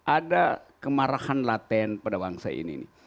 ada kemarahan laten pada bangsa ini